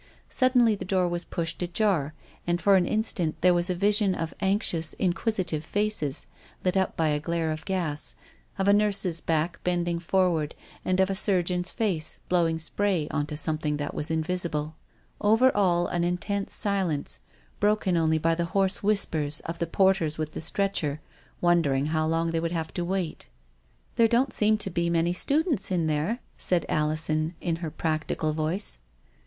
Suddenly the door was pushed ajar, and for an instant there was a vision of anxious, inquisitive faces, lit up by a glare of gas ; of a nurse's back, bend ing forward, and of a surgeon's face, blowing spray on to something that was invisible. NUMBER TWENTY SEVEN. 229 Over all an intense silence, broken only by the hoarse whispers of the porters with the stretcher, wondering how long they would have to wait. " There don't seem to be many students in there," said Alison, in her practical voice.